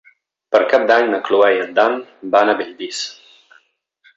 Per Cap d'Any na Cloè i en Dan van a Bellvís.